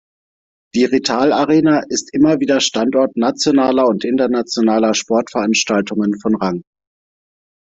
Die Rittal Arena ist immer wieder Standort nationaler und internationaler Sportveranstaltungen von Rang.